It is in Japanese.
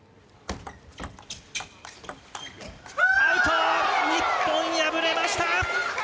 アウト、日本、敗れました。